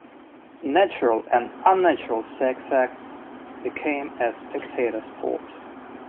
Natural and unnatural sex acts became a spectator sport.